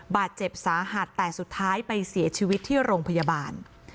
บาดเจ็บสาหัสแต่สุดท้ายไปเสียชีวิตที่โรงพยาบาล